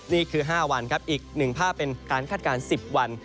นี่คือ๕วันครับอีกหนึ่งภาพเป็นการคาดการณ์๑๐วัน